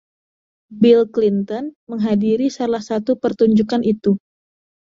Bill Clinton menghadiri salah satu pertunjukan itu.